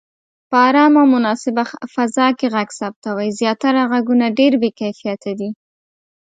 په آرامه او مناسبه فضا کې غږ ثبتوئ. زياتره غږونه ډېر بې کیفیته دي.